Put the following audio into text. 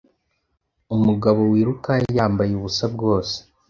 Umugabo wiruka yambaye ubusa bwose